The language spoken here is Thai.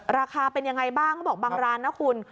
ราคาเป็นยังไงบ้างเขาบอกบางร้านนะคุณ